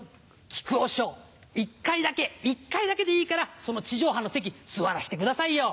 木久扇師匠一回だけ一回だけでいいからその地上波の席座らせてくださいよ。